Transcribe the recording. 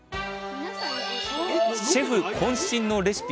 シェフこん身のレシピ。